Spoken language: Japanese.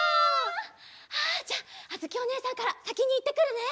じゃああづきおねえさんからさきにいってくるね！